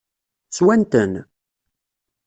Swan-ten?